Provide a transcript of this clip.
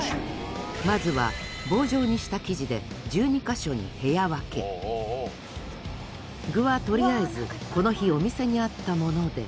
まずは棒状にした生地で具はとりあえずこの日お店にあったもので。